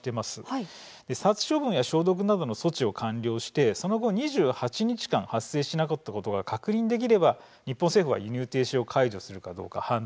殺処分や消毒などの措置を完了してその後２８日間発生しなかったことが確認できれば日本政府は輸入停止を解除するかどうか判断できます。